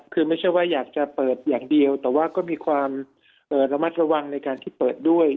คือไม่ใช่ว่าอยากจะเปิดอย่างเดียวแต่ว่าก็มีความระมัดระวังในการที่เปิดด้วย